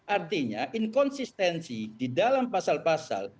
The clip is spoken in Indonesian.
artinya inkonsistensi di dalam pasal pasal